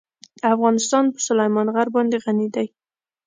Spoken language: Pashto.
افغانستان په سلیمان غر باندې غني دی.